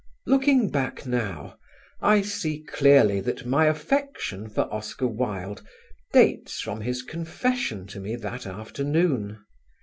Looking back now I see clearly that my affection for Oscar Wilde dates from his confession to me that afternoon.